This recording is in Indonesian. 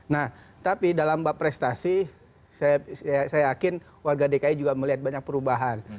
nah tapi dalam mbak prestasi saya yakin warga dki juga melihat banyak perubahan